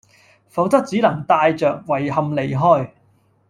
否則只能帶著遺憾離開